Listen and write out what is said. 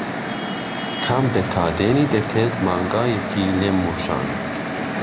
کام ده کادێنێ دهکرد مانگایهکی لێم مووشان